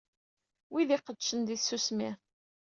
Wid i iqeddcen di tsusmi.